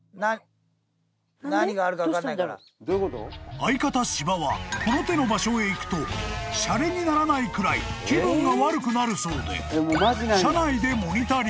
［相方芝はこの手の場所へ行くとしゃれにならないくらい気分が悪くなるそうで］